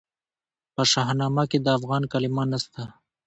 په شاهنامه کې د افغان کلمه نسته.